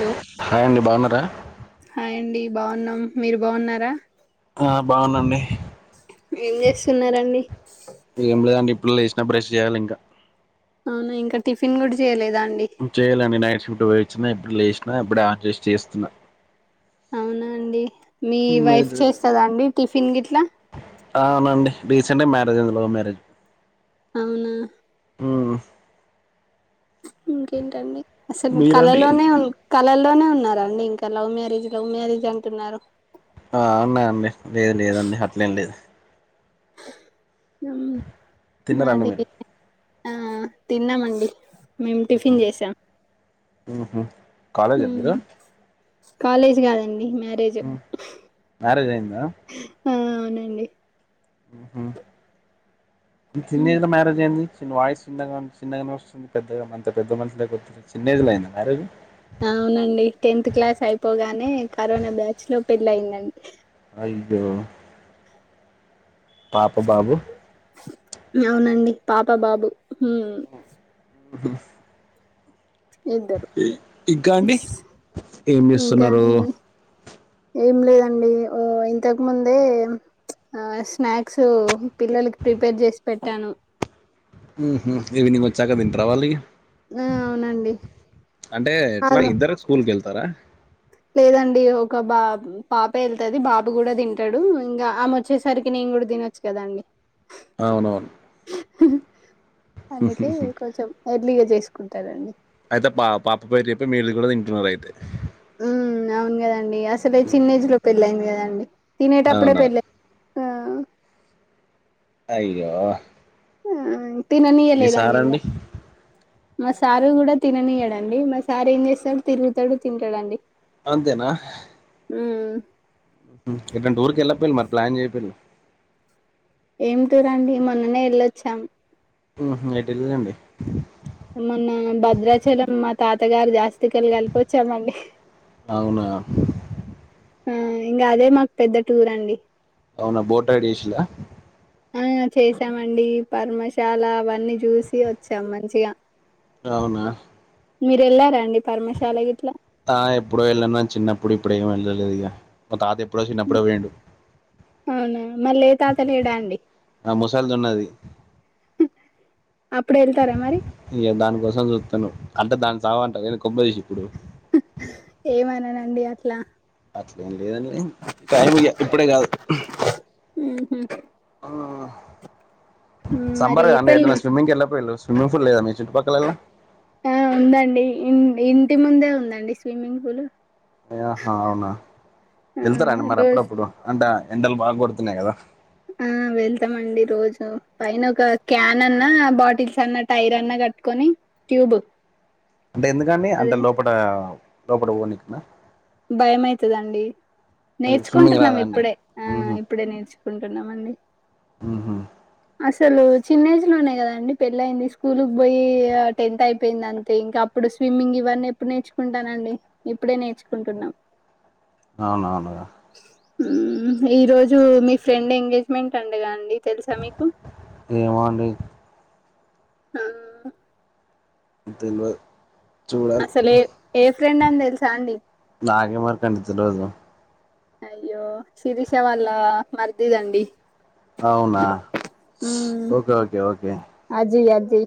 లో హాయ్ అండి బావున్నారా? హాయ్ అండి బావున్నాం. మీరు బావున్నారా? ఆ బావున్నం మీ ఏం చేస్తున్నారంండి? బ్రెష్ చేయాలి ఇంకా అవునా ఇంకా టిఫిన్ కూడా చేయలేదా ఆన్ చేయాలండి నైట్ షూట్ పోయి వచ్చిన ఇప్పుడు లేసినా ఇప్పుడు ఆ చేసి చేస్తున్నా అవునా అండి మీ వైఫ్ మీది చేస్తదా అండి టిఫిన్ గిట్లా అవునండి రీసెంట్గా మ్యారేజ్ అయింది లవ్ మ్యారేజ్ అవునా మ్మ్ ఇంకేంటండి అసలు మీరండి కళలోనే ఉ కళల్లోనే ఉన్నారురండి ఇంకా లవ్ మ్యారేజ్ లవ్ మ్యారేజ్ అంటున్నారు ఆ అవునా అండి లేదు లేదండి అట్లేం లేదు తిన్నారండి మాది మీరు ఆ తిన్నామండి మేము టిఫిన్ చేసాం మ్మ్ కాలేజా మీరు కాలేజ్ కాదండి మ్యారేజ్ మ్మ్. మ్యారేజ్ అయిందా ఆ అవునండి చిన్న ఉమ్, ఏజలో మ్యారేజ్ అయింది చిన్న వాయిస్ చిన్నగా చిన్నగానే వస్తుంది పెద్దగా అంత పెద్ద మనుషుల కొ చిన్నజ్లో అయింది మ్యారేజ్ అవునండి టెన్త్ క్లాస్ అయిపోగానే కరోనా బ్యాచ్ లో పెళ్ళ అయిందండి అయ్యో పాపు బాబు అవునండి పాప బాబు హు ఉహు ఇద్దరు ఇంకా అండి ఏం ఇంకా చేస్తున్నారు ఏం లేదండి ఓ ఇంతకు ముందే ఆ స్నాక్స్ పిల్లలకి ప్రిపేర్ చేసి పెట్టాను ఈవినింగ్ వచ్చాక తింటారా వాళ్ళింక ఆ అవునండి అంటే ఎట్లా వాళ్ళు ఇద్దరు స్కూల్కి వెళ్తారా లేదండి ఒక బా పాప వెళ్తుది బాబు కూడా తింటాడు ఇంకా ఆమె వచ్చేసరికి ఇ నేను కూడా తినొచ్చు కదండి అవునవును అందుకే కొంచెం ఎర్లీగా చేసుకుంటారండి అయితే పా పాప పేరు అయిప్ప మీళ్ళలు కూడా తింటున్నారు అయితే ఉ అవును కదండీ అసలే చిన్నజ్ లో పెళ్ళయింది కదండి తినే టప్పుడే అవునా పేలే అయ్యో తిననీయ ఈ లేదండి ఇంకా సారండి మా సారు కూడా తిననీయడండి మా సారు ఏం చేస్తాడు తిరుగుతాడు తింటాడండి అంతేనా ఉమ్ ఇటువంటి ఊరికి వెళ్ళపోయి మరి ప్లాన్ చెయపోను ఏం టూర్ అండి మొన్ననే వెళ్ళొచ్చాం ఏ టెల్లిలండీ మొన్న భద్రాచలం మా తాతగారు జాస్తికి వెళ కలిపొచ్చామండి అవున ఆ ఇంకా అదే మాకు పెద్ద టూర్ అండి అవున బోట్యిడ్ చేసలా ఆ చేసామండి పర్మశాల అవన్నీ చూసి వచ్చాం మంచిగా అవునా మీరు వెళ్లార అండి పర్మశాల గిట్లా ఆ ఎప్పుడో వెళ్ళ చిన్న పుడు ఇప్పుడ ఏ వెళ్ళలేదు ఇక మ తాత ఎప్పుడో చిన్నప్పుడో వేండు అవునా మళ్ళీ ఏ తాత లేరా అండి ఆ ముసలిది ఉన్నది అప్పుడు వెళ్తారా మరి ఇక దానికోసం చూస్తాను అంటే దాన్ని చగుంట కొంపతీసి ఇప్పుడు ఏమనునండి అట్లా అట్లే ఏం లేదండి టైం ఇగ ఇప్పుడే కాదు హ్మ్ హు అ హ్మ్ సమ్మర్ మరి గా అండి పెళ్ళి ఏదైన్నా స్విమ్మింగ్కి వెళ్ళపు వేళ్ళు స్విమ్మింగ్ ఫుల్ లేదా మీకి ఆ ఉందండి ఇంటి ముందే ఉందండి స్విమ్మింగ్ ఫులు అహా అవునా ఆ వెళ్తారా అండి మరి రోజ్ అప్పుడప్పుడు అంటే ఎండలు బా కొడుతున్నాయి కదా ఆ వెళ్తామండి రోజు పైన ఒక క్యాన్ అన్నా బాటిల్స్ అన్నా టైర్ అన్నా కట్టుకొని ట్యూబ్ అంటే ఎందుకండి అంటే అదే లోపట లోపల పోనికినా భయం అయితదండి స్విమ్మింగ్ నేర్చుకుంటున్నాం రాదా అండి ఇప్పుడే ఆ ఊహు ఇప్పుడే నేర్చుకుంటున్నాము అండి హ్మ్ హు అసలు చిన్న ఏజ్ లోనే కదాండి పెళ్లి అయింది స్కూల్ కు పోయి టెన్త్ అయిపోయింది అంతే ఇంకా అప్ ఇప్పుడు స్విమ్మింగ్ ఇవన్నీ ఎప్పుడు నేర్చుకుంటానండి ఇప్పుడే నేర్చుకుంటున్నాం అవునువును గా హ్మ్ ఈ రోజు మీ ఫ్రెండ్ ఎంగేజ్మెంట్ అంట గా అండి తెలుసా మీకు ఏమో అండి ఆ తెల్వద్ అసలే ఏ ఫ్రెండ్ అని తెలుసా అండి నాగే మరి కనిపితది రోజు అయ్యో శిరీష వాళ్ళ మరిదిదండి అవునా ఉమ్ okay okay okay Ajay Ajay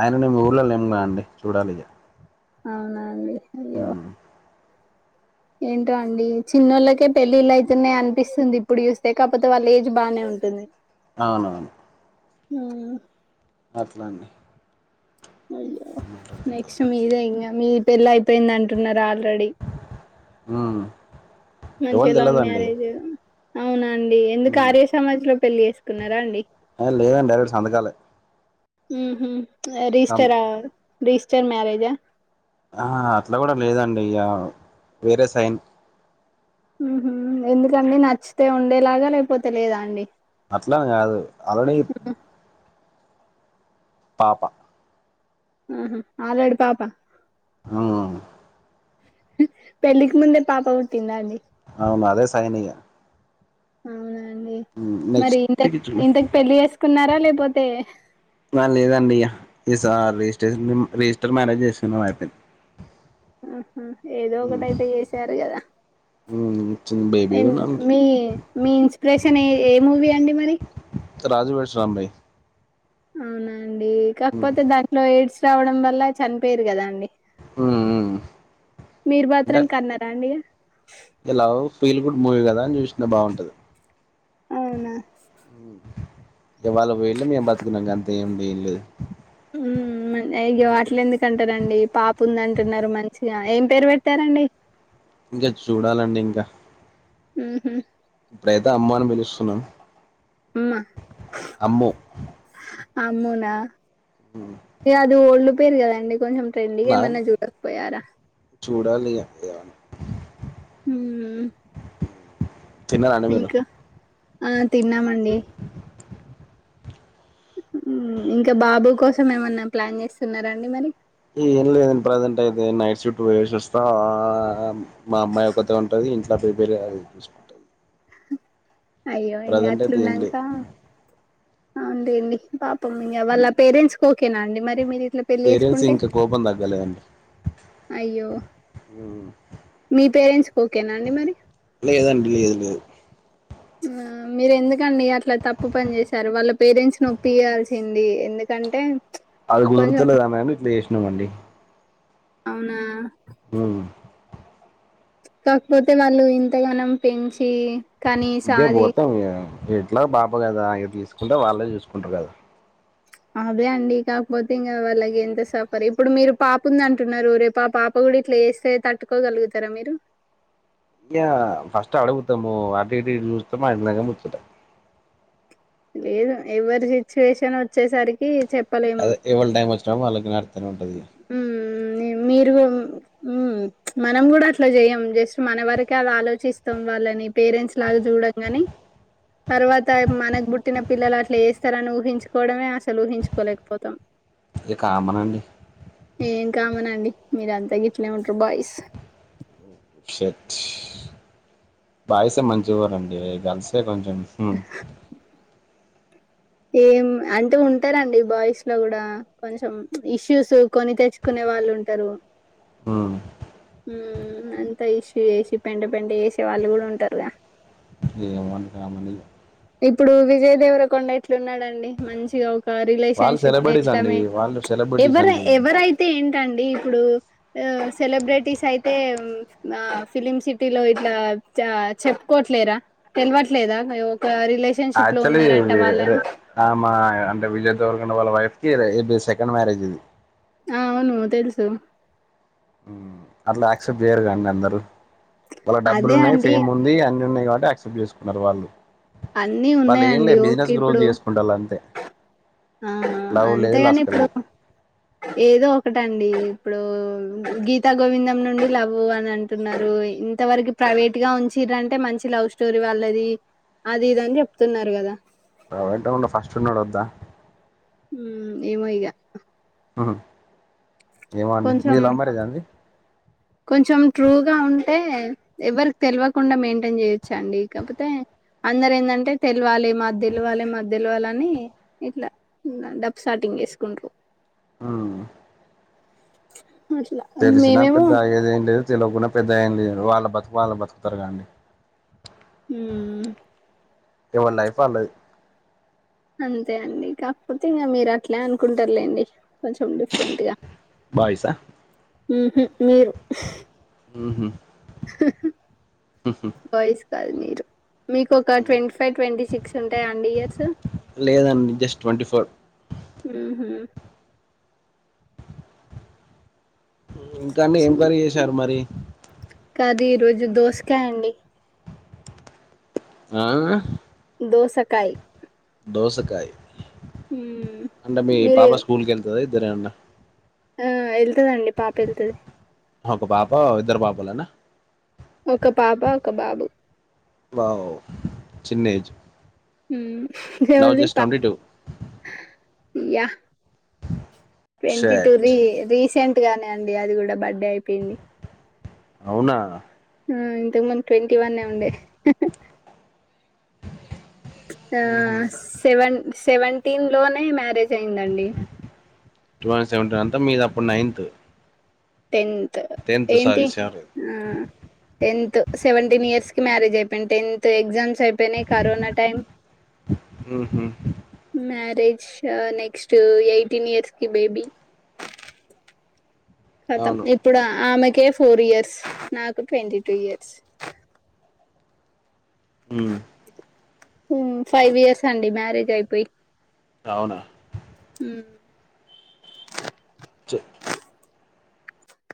ఆయన నే ఊళ్ళో లేం కదండీ చూడాలి ఇగ అవునా అండీ ఉ ఏంటో అండి చిన్నోళ్ళకే పెళ్ళిళ్ళయితున్నాయ్ అనిపిస్తుంది ఇప్పుడు చూస్తే కాకపోతే వాళ్ళ ఏజ్ బానే ఉ ఉంటుంది అవునువును ఆ అట్లా అండి అయ్యో నెక్స్ట్ మీదే ఇంగ మీ పెళ్ళ అయిపోయింది అంటున్నారు ఆల్ అవును మంచిగ లవ్ మ్యారేజ్ అవునండి ఎందుకు ఆర్య సమాజ్ లో పెళ్ళి చేసుకున్నారా అండి ఆ లేదండి డైరెక్ట్ సంతకాలే రిజిస్టరా రిజిస్టర్ మ్యారేజా ఆ అట్లా కూడా లేదండి ఇగ వేరే సైన్ హ్మ్ హు ఎందుకండి నచ్చితే ఉండేలాగా లేకపోతే లేదా అండి అట్లా ని కాదు ఆల్రెడీ పాప ఆహ ఆల్రెడీ పాప అవునువును పెళ్ళికి ముందే పాప పుట్టిందా అండి అవును అదే సైన్ ఇగ అవునా అండి మరి ఇంత నెక్స్ట్ ఇంతకు పెళ్లి చేసుకున్నారా లేకపోతే న లేదండి ఇగ స రిజస్ట్రేషన్ రిజిస్టర్ మ్యారేజ్ చేసుకున్నం అయిపోయింది ఆహా ఏదో ఒకటైతే చేసారు కదా చిన్న బేబీ ఎమ్ కూడా ఉంది మీ మీ ఇన్స్పిరేషన్ ఏ మూవీ అండి మరి రాజు వెడ్స్ రాంబాయ్ అవునాండి కాకపోతే దాంట్లో ఎయిడ్స్ రావడం వల్ల చనిపోయరు కదా అండి మీరూ అంటే మాత్రం కన్నరా అండి ఇ లవ్ ఫీల్ గుడ్ మూవీ కదా అని చూసనా బాగుంటది అవునా ఇవాళకి వెళ్ళి మేము బతుకున్నాం అంత ఏమి లేం లేదు ఉ అయ్యో అయ్యేందుకు అంట టారండి పాప ఉంది అంటున్నారు మంచిగా ఏం పేరు పెట్టారండి ఇంకా చూడాలండి ఇంకా ఆ హమ్ ఇప్పుడు అయితే అమ్ము అని పిలుస్తున్నాం మా అమ్ము అమ్మున ఇ అది ఓల్డ్ పేరు కదండి కొంచెం ట్రెండ్ ది ఏమన్నా చూడకపోయారా చూడాలిగా ఉమ్ తిన్నారండి మీరు ఆ తిన్నామండి ఇంకా బాబు కోసం ఏమన్నా ప్లాన్ చేస్తున్నారాండి మరి ఏం లేదండి ప్రజెంట్ అయితే నైట్ షిఫ్ట్ పోయేసిస్తా మా అమ్మాయి ఓక్కతే ఉంటది ఇంట్లా ప్రిపేర్ [unintelligible] చూసుకుంటుంది అయ్యో ఇంకా అట్లున్నాక లేదు ఆ అంతే అండి పాపం ఇ వాళ్ళ పేరెంట్స్ కి ఓకేనా అండి మరి మీరు ఇట్లా పెళ్ళి పేరెంట్స్ చేసుకుంటే ఇంకా కోపం తగ్గలేదండి అయ్యో మీ పేరెంట్స్కి ఓకేనా అండి మరి లేదండి లేదు లేదు మీరు ఎందుకండి అట్లా తప్పు పని చేసారు వాళ్ళ పేరెంట్స్ నొప్పియాల్సింది ఎందుకంట కంటే అది కుదురుతలేదనే ఇట్లా చేసినాం అండి అవునా హ కాకపోతే వాళ్ళు ఇంతగానం పెంచి కనీస ఇంకే అది పోతే ఇట్లా బాప కదా ఆ తీసుకుంటే వాళ్ళే చూసుకుంటారు కదా అదే అండి కాకపోతే ఇంకా వాళ్ళకి ఎంత సఫర్ ఇప్పుడు మీరు పాప ఉంది అంటున్నారు రేపు పాప కూడా ఇప్పుడు ఇట్లా చేస్తే తట్టుకోగలుగుతారా మీరు ఇగ ఫస్ట్ అడుగుతాం అటు ఇటు చూస్తాము [unintelligible] లేదు ఎవరి సిచ్యువేషన్ వచ్చేసరికి చెప్ప అది ఎవ టైం వచ్చినప్పు డే వాళ్ళకి నతనే ఉంటది మీరు ఉ మనం కూడా అట్లా చేయం జస్ట్ మన వరకే అలా ఆలోచిస్తాం వాళ్ళని పేరెంట్స్ లాగా చూడం కని తర్వాత మనకు బుట్టి పుట్టిన పిల్లలు అట్లా చేస్తారని ఊహించుకోవడమే అసలు ఊహించుకోలేకపోతాం ఇ కామనాండి ఏం కామనండి మీరంతా గట్లే ఉంటారు బాయ్స్ షట్ బాయ్సే మంచివారండి గర్ల్సే కొంచెం మ్మ్ ఏం అంటే ఉంటారండి బాయ్స్ లో కూడా కొంచెం ఇష్యూస్ కొని తెచ్చుకునే వాళ్ళు ఉంటారు మ్మ్ అంతా ఇష్యూ చేసి పెంట పెంట చేసే వాళ్ళు కూడా ఉంటారుగా ఇగ అవనీ కామన్ ఇప్పుడు విజయ్ దేవర కొండ ఎట్ల ఉన్నాడండి మంచిగా ఒక వాళ్ళు రిలేషన్షిప్ సెలబ్రిటీస్ ఎట్ల అండి మే వాళ్ళు సెలబ్రిటీస్ ఎవరు అండి ఎవరైతే ఏంటండి ఇప్పుడు ఒ సెలబ్రిటీస్ అయితే ఆ ఫిలిమ్ సిటీలో ఇట్లా చ చెప్పుకోవట్లేరా తెలవట్లేదా ఆయె యాక్చులీ ఆ మా అంటే విజయ్ దేవరకొండ వాళ్ళ వైఫ్ హిరోయిన్కి సెకండ్ మ్యారేజ్ ఇది ఆ అవును తెలుసు మ్ అట్లా యాక్సెప్ట్ జేయరుగ అండి అందరు వాళ్ళ డబ్బులు అదే ఉన్నాయి అండి ఫేమ్ ఉంది అన్ని ఉన్నాయి కాబట్టి యాక్సెప్ట్ చేసుకున్నారు వాళ్ళు అన్ని వాళ్ళు ఏం లే ఉన్నాయండి బిజినెస్ ఓకే గ్రోత్ ఇప్పుడు చేసుకుంటాలు అంతే ఆ లవ్ లేదు అంతేగాని లస్క ఇప్పుడు లేదు ఏదో ఒకటండి ఇప్పుడు గీతా గోవిందం నుండి లవ్ అని అంటున్నారు ఇంతవరకు ప్రైవేట్ గా ఉంచిరి అంటే మంచి లవ్ స్టోరీ వాళ్ళది అది ఇదని చెప్తున్నారు కదా ప్రైవేట్ ఉన్న ఫస్ట్ ఉన్నోడు వద్ద మ్మ్ ఏమో ఇగ ఆహా ఏమో అండి కొంచెం మీది లవ్ మ్యారేజా అండి కొంచెం ట్రూగా ఉంటే ఎవరిక్ తెల్వకుండ మెయింటైన్ చేయొచ్చండి కాపోతే అందరు ఏందంటే తెలవాలి మా దెలవాలి మా దెలవాలని ఇట్లా డప్పుసాటింగ్ వేసుకుంట్రు ఆ అట్లా తెలిసిన మేమేమో పెద్ద దాగేదేన్ లేదు తెల్వకుండా పెద్ద ఏం లేరు వాళ్ళ బతుకు వాళ్ళ బతుకుతారుగాండి ఉమ్మ్ ఎవని లైఫ్ ఆళ్ళది అంతే అండి కాకపోతే ఇంకా మీరు అట్లే అనుకుంటారులేండి కొంచెం డిఫరెంట్ గా బాయ్స్ ఆ మ్ హు మీరు మ్ హు బాయ్స్ కాదు మీరు మీకు ఒక ట్వంటీ ఫైవ్ ట్వంటీ సిక్స్ ఉంటాయా అండి ఇయర్స్ లేదండి జస్ట్ ట్వంటీ ఫోర్ మ్ హు ఇంకండి ఏం కర్రి చేసారు మరి కాదు ఈ రోజు దోసకాయ అండి ఆ దోసకాయ దోసకాయ్ ఉమ్ అంటే మీ మీరు పాప స్కూల్ ఎళ్తదా ఇద్దరే ఎవన్న ఆ ఎళ్తదండి పాప ఎళ్తది హ ఒక పాప ఇద్దరు పాపలేనా ఒక పాప ఒక బాబు వావ్ చిన్నేజ్ ఉమ్ నౌ ఎవల్ది జస్ట్ పా twenty two yeah twenty two షట్ ది రీసెంట్ గానే అండి అది కూడా బడ్డె అయిపోయింది అవునా ఇంతకు ముందు ట్వంటీ వనే ఉండే ఆ సెవెన్ సెవెంటీన్ లోనే మ్యారేజ్ అయిందండి టువ సెవెంటీన్ అంత మీది అప్పుడు నైన్త్ టెన్త్ టెన్త్ ఏంటి సారీ సారీ ఆ టెన్త్ సెవెంటిన్ ఇయర్స్ కి మ్యారేజ్ అయిపోయింది టెన్త్ ఎగ్జామ్స్ అ పేనే కరోనా టైం ఉహు మ్యారేజ్ ష నెక్ట్సు ఎయిటీన్ ఇయర్స్ కి బేబీ కతం అవును ఇప్పుడు ఆమెకే ఫోర్ ఇయర్స్ నాకు ట్వంటీ టూ ఇయర్స్ మ్మ్ ఫైవ్ ఇయర్స్ అండి మ్యారేజ్ అయిపోయి అవునా హ చె